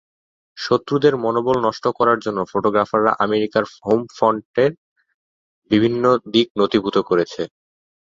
শত্রুদের মনোবল নষ্ট করার জন্য ফটোগ্রাফাররা আমেরিকার হোম ফ্রন্টের বিভিন্ন দিক নথিভুক্ত করেছে।